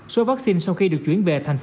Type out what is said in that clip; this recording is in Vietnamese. số vaccine sau khi được chuyển về thành phố